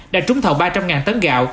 đã trúng thầu ba trăm linh tấn gạo